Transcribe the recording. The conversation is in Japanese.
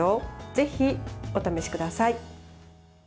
ぜひお試しください。